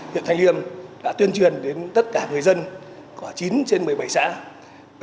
hiện thành liêm đã tuyên truyền đến tất cả người dân có chín trên một mươi bảy xã